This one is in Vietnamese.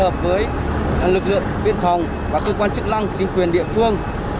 hợp với lực lượng biên phòng và cơ quan chức năng chính quyền địa phương